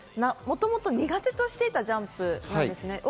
もともと苦手としていたジャンプなんですね。